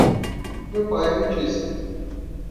Meu pai é dentista.